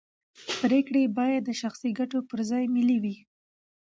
پرېکړې باید د شخصي ګټو پر ځای ملي وي